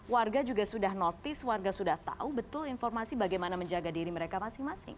warga juga sudah notice warga sudah tahu betul informasi bagaimana menjaga diri mereka masing masing